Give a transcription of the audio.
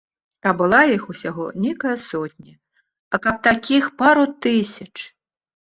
А была іх усяго нейкая сотня, а каб такіх пару тысяч.